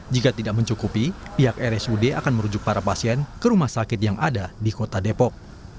jika tidak mencukupi pihak rsud akan merujuk para pasien ke rumah sakit yang ada di kota depok